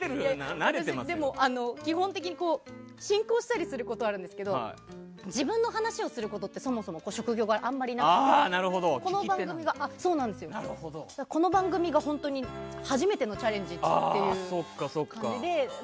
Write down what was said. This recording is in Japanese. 基本的に進行したりはあるんですけど自分の話をすることって職業柄、あんまりなくてこの番組が本当に初めてのチャレンジという感じで。